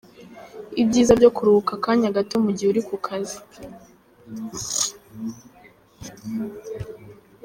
Ibyiza byo kuruhuka akanya gato mu gihe uri ku kazi.